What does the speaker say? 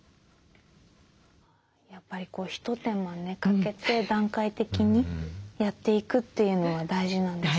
やっぱり一手間かけて段階的にやっていくというのは大事なんですね。